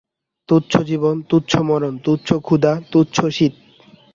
তুচ্ছ জীবন, তুচ্ছ মরণ, তুচ্ছ ক্ষুধা, তুচ্ছ শীত।